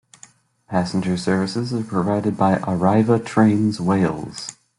Passenger services are provided by Arriva Trains Wales.